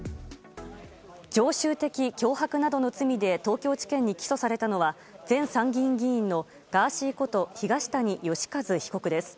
常習的脅迫などの罪で東京地検に起訴されたのは前参議院議員のガーシーこと東谷義和被告です。